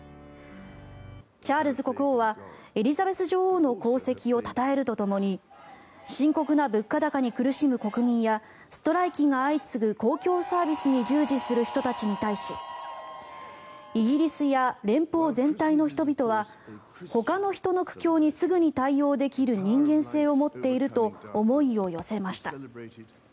チャールズ国王はエリザベス女王の功績をたたえるとともに深刻な物価高に苦しむ国民やストライキが相次ぐ公共サービスに従事する人たちに対しイギリスや連邦全体の人々はほかの人の苦境にすぐに対応できる人間性を持っていると思いを寄せました。